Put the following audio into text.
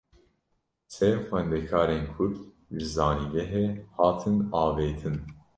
Sê xwendekarên Kurd, ji zanîngehê hatin avêtin